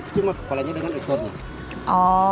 cuma kepalanya dengan ekornya